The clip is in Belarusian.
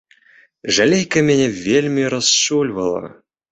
Жалейка мяне вельмі расчульвала.